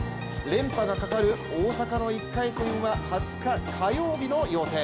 連覇がかかる大坂の１回戦は２０日火曜日の予定。